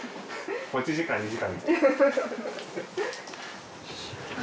持ち時間２時間です